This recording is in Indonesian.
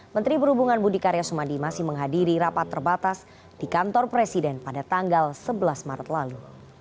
menteri perhubungan budi karya sumadi masih menghadiri rapat terbatas di kantor presiden pada tanggal sebelas maret lalu